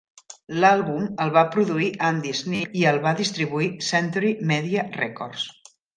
L'àlbum el va produir Andy Sneap i el va distribuir Century Media Records.